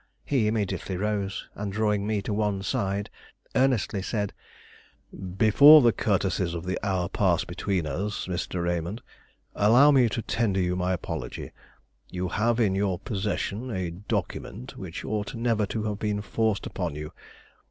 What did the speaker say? He immediately rose, and drawing me to one side, earnestly said: "Before the courtesies of the hour pass between us, Mr. Raymond, allow me to tender you my apology. You have in your possession a document which ought never to have been forced upon you.